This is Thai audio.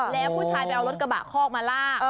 แล้วผู้ชายไปเอารถกระบะคอกมาลาก